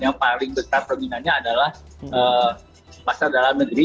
yang paling besar peminatnya adalah pasar dalam negeri